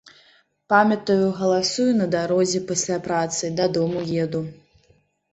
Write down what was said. Памятаю, галасую на дарозе пасля працы, дадому еду.